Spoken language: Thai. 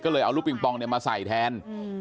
ก็เลยเอาลูกปิงปองเนี่ยมาใส่แทน